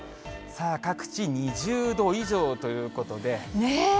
さあ、各地２０度以上ということで。